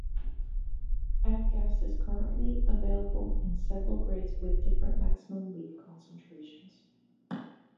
Avgas is currently available in several grades with differing maximum lead concentrations.